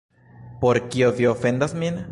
Por kio vi ofendas min?